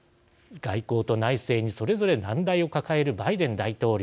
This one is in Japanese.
外交と内政にそれぞれ難題を抱えるバイデン大統領。